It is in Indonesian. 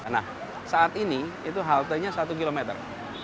nah saat ini itu haltenya satu kilometer